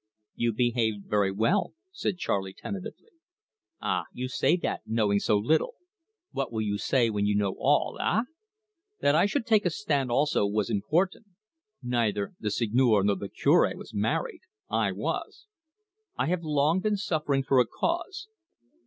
"You behaved very well," said Charley tentatively. "Ah, you say that, knowing so little! What will you say when you know all ah! That I should take a stand also was important. Neither the Seigneur nor the Cure was married; I was. I have been long suffering for a cause.